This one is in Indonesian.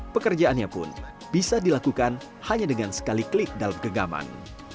pekerjaannya pun bisa dilakukan hanya dengan sekali klik dalam gegaman